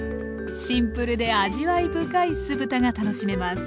シンプルで味わい深い酢豚が楽しめます。